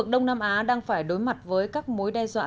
đông nam á đang phải đối mặt với các mối đe dọa